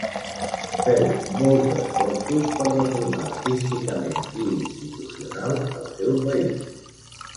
Féu molts d'esforços per reformar artísticament i institucional el seu país.